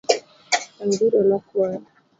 Anguro nokwal .